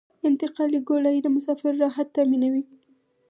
انتقالي ګولایي د مسافرو راحت تامینوي